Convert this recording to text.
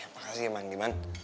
makasih mang diman